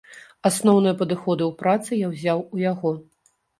Асноўныя падыходы ў працы я ўзяў у яго.